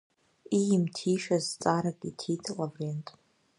Иимҭишаз зҵаарак иҭиит Лаврент.